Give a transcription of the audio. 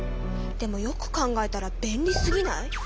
でもよく考えたら便利すぎない？